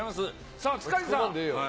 さあ、塚地さん。